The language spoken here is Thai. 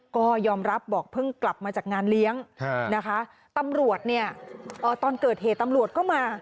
ก็ยอมรับบอกเพิ่งกลับมาจากงานเลี้ยงตำรวจตอนเกิดเหตุตำรวจเข้ามา